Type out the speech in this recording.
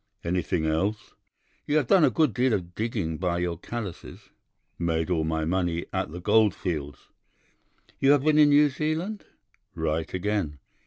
"'Anything else?' "'You have done a good deal of digging by your callosities.' "'Made all my money at the gold fields.' "'You have been in New Zealand.' "'Right again.